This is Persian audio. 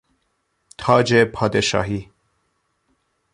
تاج پادشاهی